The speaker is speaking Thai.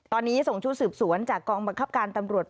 ตอนนี้ส่งชุดสืบสวนจากกองบังคับการตำรวจ